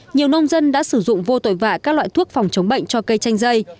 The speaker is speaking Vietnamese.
nhiều nông dân đã sử dụng vô tội vạ các loại thuốc phòng chống bệnh cho cây chanh dây